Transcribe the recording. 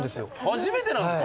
初めてなんですか？